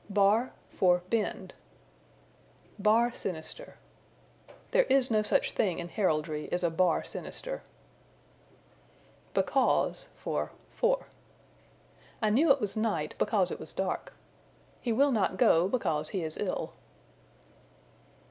Bar for Bend. "Bar sinister." There is no such thing in heraldry as a bar sinister. Because for For. "I knew it was night, because it was dark." "He will not go, because he is ill."